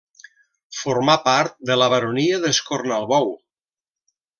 Formà part de la baronia d'Escornalbou.